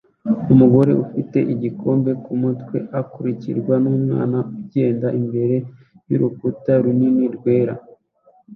Umugore ufite igikombe kumutwe akurikirwa numwana ugenda imbere yurukuta runini rwera